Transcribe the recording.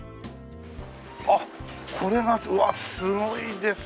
あっこれがうわあすごいですね。